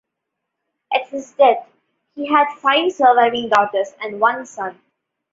At his death he had five surviving daughters and one son.